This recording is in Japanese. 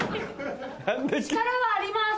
力はあります